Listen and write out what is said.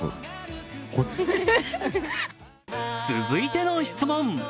続いての質問。